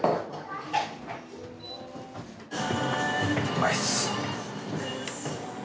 うまいっす。